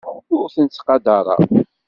Ur tent-ttqadareɣ.